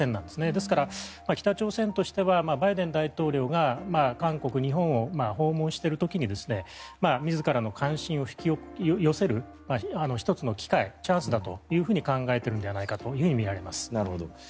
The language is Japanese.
ですから、北朝鮮としてはバイデン大統領が韓国、日本を訪問している時に自らの関心を引き寄せる１つの機会、チャンスだと考えているのではないかとみられます。